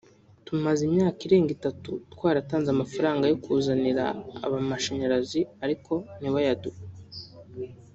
tumaze imyaka irenga itatu twaratanze amafaranga yo kwizanira amashanyarazi ariko ntibayaduhe